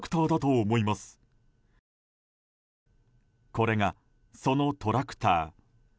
これが、そのトラクター。